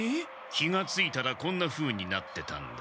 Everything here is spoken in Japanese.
気がついたらこんなふうになってたんだ。